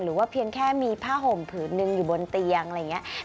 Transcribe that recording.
เพียงแค่มีผ้าห่มผืนหนึ่งอยู่บนเตียงอะไรอย่างนี้